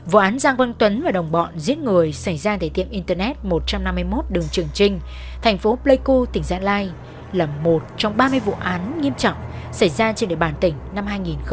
vụ án giang văn tuấn và đồng bọn giết người xảy ra tại tiệm internet một trăm năm mươi một đường trường trinh thành phố pleiku tỉnh gia lai là một trong ba mươi vụ án nghiêm trọng xảy ra trên địa bàn tỉnh năm hai nghìn một mươi bảy